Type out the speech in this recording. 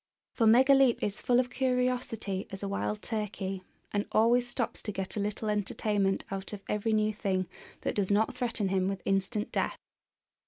For Megaleep is full of curiosity as a wild turkey, and always stops to get a little entertainment out of every new thing that does not threaten him with instant death.